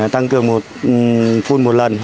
tăng cường phun một lần